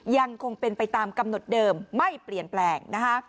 ยังคงเป็นไปตามกำหนดเดิมไม่เปลี่ยนแปลงนะคะ